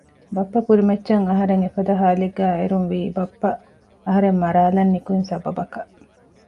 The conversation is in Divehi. ބައްޕަ ކުރިމައްޗަށް އަހަރެން އެފަދަ ހާލަތެއްގައި އެރުންވީ ބައްޕަ އަހަރެން މަރާލަން ނިކުތް ސަބަބަކަށް